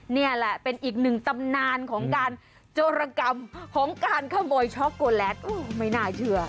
นี่แหละเป็นอีกหนึ่งตำนานของการโจรกรรมของการขโมยช็อกโกแลตไม่น่าเชื่อ